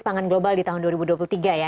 pangan global di tahun dua ribu dua puluh tiga ya